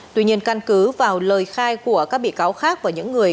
tuy nhiên căn cứ vào lời khai của các bị cáo khác và những người